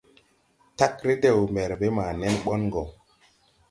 Tag redew mberbe ma nen bon go.